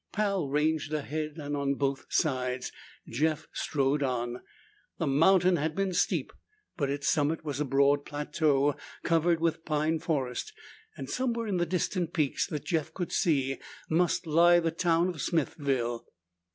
Pal ranged ahead and on both sides. Jeff strode on. The mountain had been steep, but its summit was a broad plateau covered with pine forest, and somewhere in the distant peaks that Jeff could see must lie the town of Smithville.